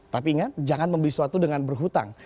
tapi ingat jangan membeli sesuatu dengan berhutang